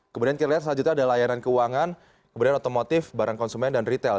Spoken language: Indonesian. kemudian kita lihat selanjutnya ada layanan keuangan kemudian otomotif barang konsumen dan retail